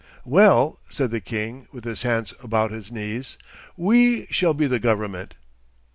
'Well,' said the king, with his hands about his knees, 'We shall be the government.